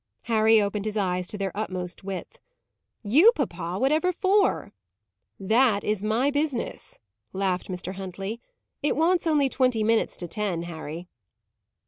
Harry opened his eyes to their utmost width. "You, papa! Whatever for?" "That is my business," laughed Mr. Huntley. "It wants only twenty minutes to ten, Harry."